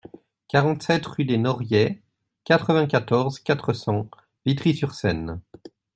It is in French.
quarante-sept rue des Noriets, quatre-vingt-quatorze, quatre cents, Vitry-sur-Seine